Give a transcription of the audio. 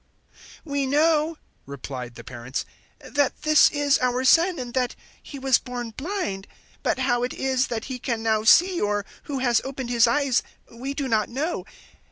009:020 "We know," replied the parents, "that this is our son and that he was born blind; 009:021 but how it is that he can now see or who has opened his eyes we do not know.